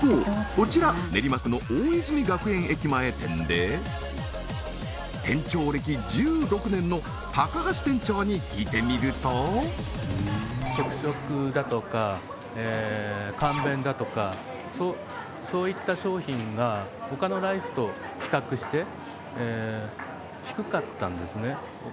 こちら練馬区の大泉学園駅前店で店長歴１６年の高橋店長に聞いてみると即食だとか簡便だとかそういった商品が他のライフと比較して低かったんですね